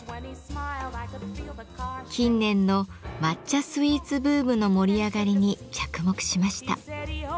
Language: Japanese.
近年の抹茶スイーツブームの盛り上がりに着目しました。